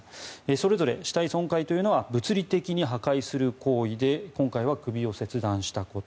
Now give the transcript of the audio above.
それぞれ死体損壊というのは物理的に破壊する行為で今回は首を切断したこと。